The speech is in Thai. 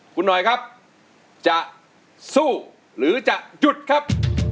คุณหน่อยครับจะสู้หรือจะหยุดครับ